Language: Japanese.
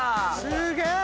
すげえ！